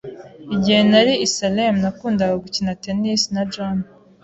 Igihe nari i Salem, nakundaga gukina tennis na John.